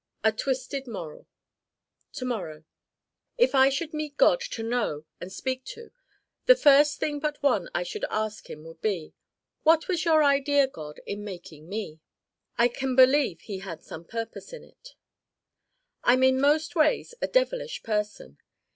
A twisted moral To morrow If I should meet God to know and speak to the first thing but one I should ask him would be, 'What was your idea, God, in making me?' I can believe he had some Purpose in it. I'm in most ways a devilish person.